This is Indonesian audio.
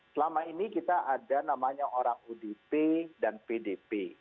selama ini kita ada namanya orang udp dan pdp